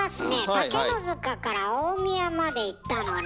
竹の塚から大宮まで行ったのね。